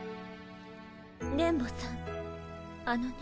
電ボさんあのね。